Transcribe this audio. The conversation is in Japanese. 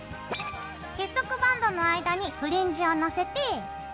結束バンドの間にフリンジをのせて。